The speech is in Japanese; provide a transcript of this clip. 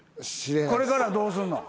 これからどうすんの？